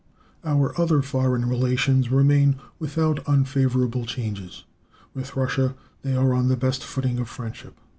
Our other foreign relations remain without unfavorable changes. With Russia they are on the best footing of friendship.